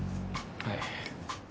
はい。